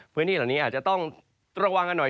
พื้นที่เหล่านี้อาจจะต้องระวังกันหน่อย